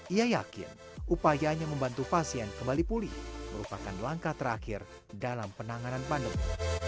ia yakin upayanya membantu pasien kembali pulih merupakan langkah terakhir dalam penanganan pandemi